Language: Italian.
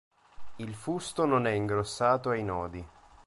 Il fusto non è ingrossato ai nodi.